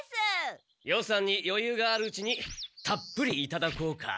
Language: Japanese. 予算によゆうがあるうちにたっぷりいただこうか。